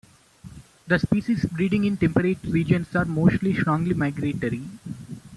The species breeding in temperate regions are mostly strongly migratory.